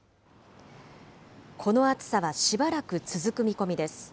この暑さはしばらく続く見込みです。